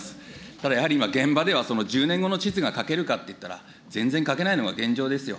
ただやはり、現場では、１０年後の地図が描けるかっていったら、全然描けないのが現状ですよ。